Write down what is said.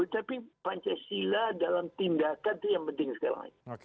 tapi pancasila dalam tindakan itu yang penting sekarang